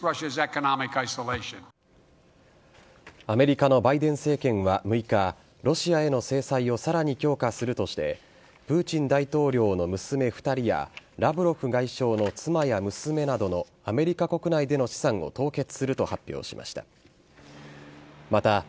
アメリカのバイデン政権は６日ロシアへの制裁をさらに強化するとしてプーチン大統領の娘２人やラブロフ外相の妻や娘などのアメリカ国内での資産を凍結すると発表しました。